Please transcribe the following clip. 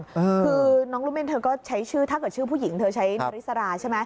คือน้องรุเมนเธอก็ใช้ชื่อถ้าเกิดชื่อผู้หญิงเธอใช้นาริสราใช่ไหม